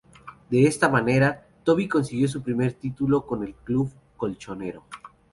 De esta manera, Toby consiguió su primer título con el club colchonero.